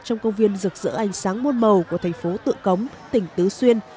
trong công viên rực rỡ ánh sáng môn màu của thành phố tựa cống tỉnh tứ xuyên